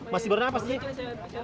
masih bernafas dek